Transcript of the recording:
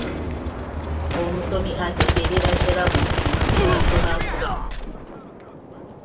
Omusomi ategeerera ddala buli kintu ky’asomako.